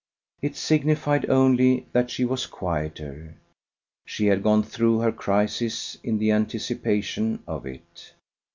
It signified only that she was quieter. She had gone through her crisis in the anticipation of it.